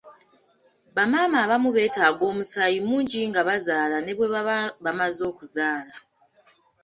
Bamaama abamu beetaaga omusaayi mungi nga bazaala ne bwe baba bamaze okuzaala.